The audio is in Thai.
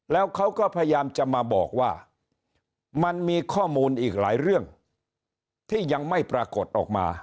แล้วเขาก็พยายามจะมาบอกว่ามันมีข้อมูลอีกหลายเรื่องที่ยังไม่ปรากฏออกมา